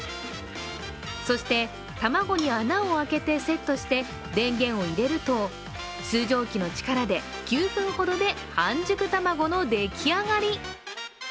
そして、卵に穴を開けてセットして電源を入れると水蒸気の力で、９分ほどで半熟卵のできあがり。